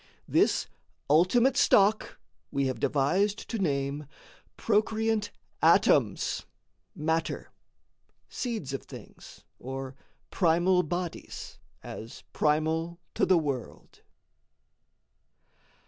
This ultimate stock we have devised to name Procreant atoms, matter, seeds of things, Or primal bodies, as primal to the world.